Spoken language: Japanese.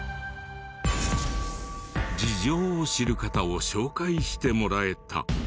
事情を知る方を紹介してもらえた。